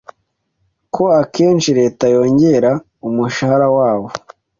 ko akenshi leta yongera umushahara wabo,